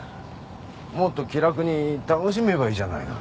もっと気楽に楽しめばいいじゃないの。